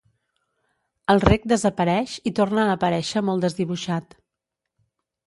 El rec desapareix i torna a aparèixer molt desdibuixat.